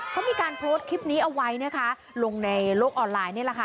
เขามีการโพสต์คลิปนี้เอาไว้นะคะลงในโลกออนไลน์นี่แหละค่ะ